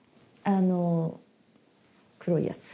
あの黒いやつ。